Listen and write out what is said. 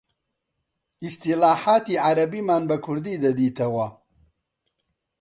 ئیستلاحاتی عارەبیمان بە کوردی دەدیتەوە